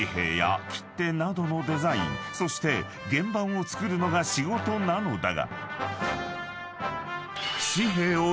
［そして原版を作るのが仕事なのだが］